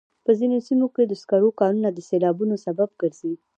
په ځینو سیمو کې د سکرو کانونه د سیلابونو سبب ګرځي.